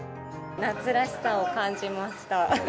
夏らしさを感じました。